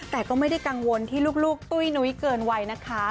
แต่ก็ไม่ได้กังวลที่ลูกตุ้ยนุ้ยเกินวัยนะคะ